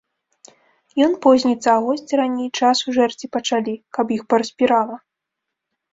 Ён позніцца, а госці раней часу жэрці пачалі, каб іх параспірала.